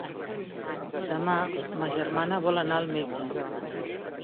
Demà ma germana vol anar al metge.